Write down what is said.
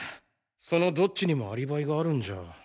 そのどっちにもアリバイがあるんじゃ。